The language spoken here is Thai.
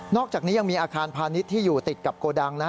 อกจากนี้ยังมีอาคารพาณิชย์ที่อยู่ติดกับโกดัง